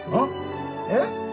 えっ？